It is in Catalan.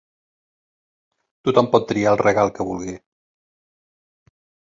Tothom pot triar el regal que vulgui.